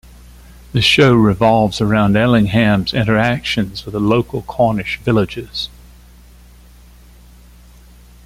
The show revolves around Ellingham's interactions with the local Cornish villagers.